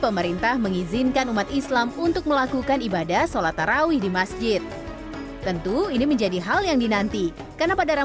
meminimalisir penyebaran covid sembilan belas